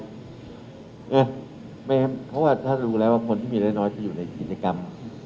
เพราะว่าถ้ารู้แล้วว่าคนที่มีน้อยจะอยู่ในกิจกรรม